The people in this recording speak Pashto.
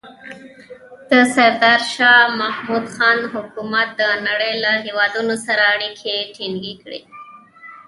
د سردار شاه محمود خان حکومت د نړۍ له هېوادونو سره اړیکې ټینګې کړې.